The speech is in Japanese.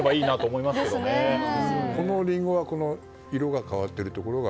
このリンゴは、色が変わっているところが？